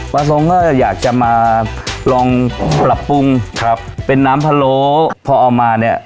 ประสงค์ก็อยากจะมาลองปรับปรุงครับเป็นน้ำพะโล้พอเอามาเนี่ย